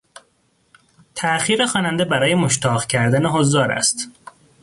تاخیر خواننده برای مشتاق کردن حضار است.